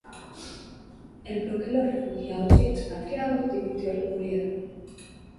El Bloque de los Refugiados y Expatriados dimitió del gobierno.